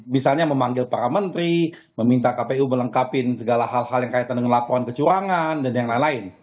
misalnya memanggil para menteri meminta kpu melengkapi segala hal hal yang kaitan dengan laporan kecurangan dan yang lain lain